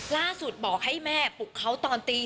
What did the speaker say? ล่าสุดบอกให้แม่ปลุกเขาตอนตี